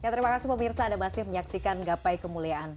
terima kasih pemirsa anda masih menyaksikan gapai kemuliaan